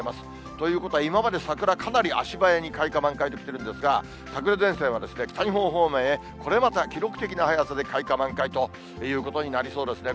ということは、今まで桜、かなり足早に開花、満開ときてるんですが、桜前線は北日本方面へ、これまた記録的な早さで開花満開ということになりそうですね。